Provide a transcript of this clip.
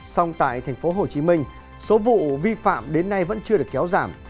xong tại tp hcm số vụ vi phạm đến nay vẫn chưa được kéo giảm